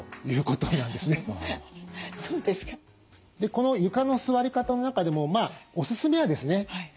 この床の座り方の中でもおすすめはですね